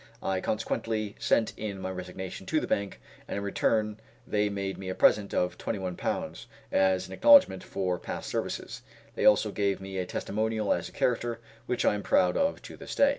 I consequently sent in my resignation to the bank and in return they made me a present of Ł21, as an acknowledgment for past services; they also gave me a testimonial as to character, which I am proud of to this day.